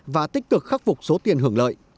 và tích cực khắc phục số tiền hưởng lợi